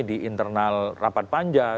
di internal rapat panjang